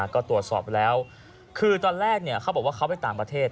ก็ตรวจสอบแล้วคือตอนแรกเขาบอกว่าเขาไปต่างประเทศ